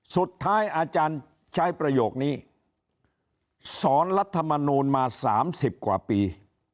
อาจารย์ใช้ประโยคนี้สอนรัฐมนูลมา๓๐กว่าปี